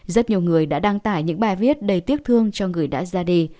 rất nhiều người đã đăng tải những bài viết đầy tiếc thương cho người đã ra đi